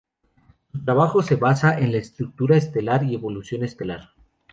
Su trabajo se basa en la estructura estelar y evolución estelar.